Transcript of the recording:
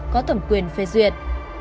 có thẩm quyền phê duyệt